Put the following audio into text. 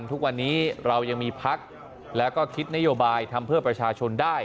ทุกวันนี้เรายังมีพักแล้วก็คิดนโยบายทำเพื่อประชาชนได้